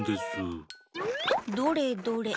どれどれ？